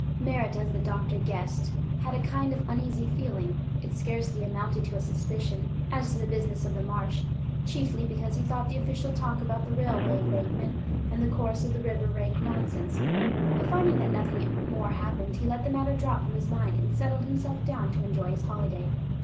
Merritt, as the doctor guessed, had a kind of uneasy feeling—it scarcely amounted to a suspicion—as to the business of the marsh; chiefly because he thought the official talk about the railway embankment and the course of the river rank nonsense. But finding that nothing more happened, he let the matter drop from his mind, and settled himself down to enjoy his holiday.